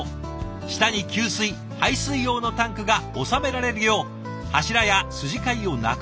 下に給水排水用のタンクが収められるよう柱や筋交いをなくしたい。